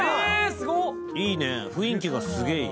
いいね、雰囲気がすげえいい。